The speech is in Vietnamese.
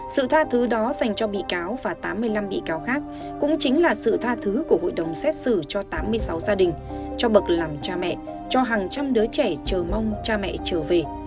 sự tha thứ đó dành cho bị cáo và tám mươi năm bị cáo khác cũng chính là sự tha thứ của hội đồng xét xử cho tám mươi sáu gia đình cho bậc làm cha mẹ cho hàng trăm đứa trẻ chờ mong cha mẹ trở về